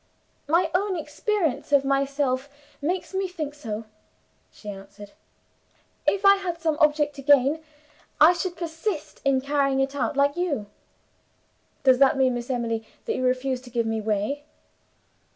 "My own experience of myself makes me think so," she answered. "If I had some object to gain, I should persist in carrying it out like you." "Does that mean, Miss Emily, that you refuse to give way?"